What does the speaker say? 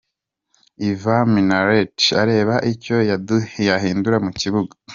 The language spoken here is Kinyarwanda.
Ivan Minaert areba icyo yahindura mu kibuga